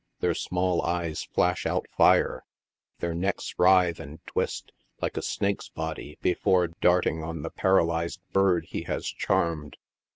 Their small eyes flash out fire ; their necks writhe and twist, like a snake's body before darting on the paralyzed bird he has charmed.